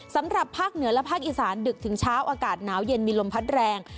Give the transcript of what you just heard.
สำหรับภาคเหนือและภาคอีสานดึกถึงเช้าอากาศหนาวเย็นมีลมพัดแรง